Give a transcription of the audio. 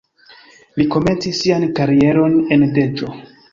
Li komencis sian karieron en Deĵo.